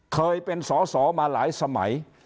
เคยเป็นสอสอมาหลายสมัย